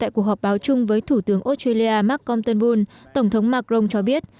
trong cuộc họp báo chung với thủ tướng australia mark compton boone tổng thống macron cho biết